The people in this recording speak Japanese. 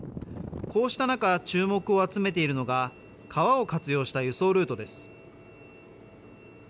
こうした中注目を集めているのが川を活用した輸送ルートです。